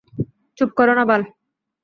চুপ কর না, বাল!